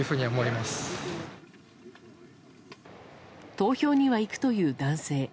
投票には行くという男性。